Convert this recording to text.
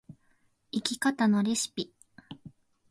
生き方のレシピ